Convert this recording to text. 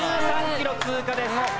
１３ｋｍ通過です。